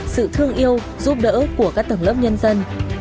sự thương yêu giúp đỡ của các tầng lớp nhân dân